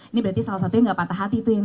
ini berarti salah satunya gak patah hati tuh yang